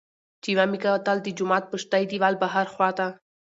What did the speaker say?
چې مې وکتل د جومات پشتۍ دېوال بهر خوا ته